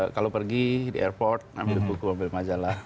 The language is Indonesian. kalau pergi di airport ambil buku ambil majalah